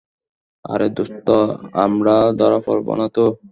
আরে দোস্ত আমরা ধরা পরব না তো?